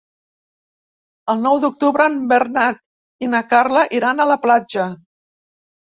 El nou d'octubre en Bernat i na Carla iran a la platja.